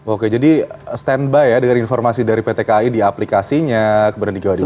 oke jadi standby ya dengan informasi dari pt kai di aplikasinya kemudian di jawa timur